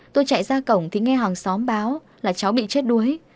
tôi chạy ra cổng thì nghe hàng xóm báo là cháu bị chết đuối